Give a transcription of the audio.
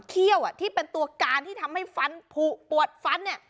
นอมเขี่ยวที่เป็นตัวการที่ทำให้ฟันผูปรวดฟัน